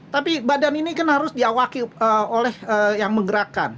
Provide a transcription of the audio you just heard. tapi badan ini kan harus diawaki oleh yang menggerakkan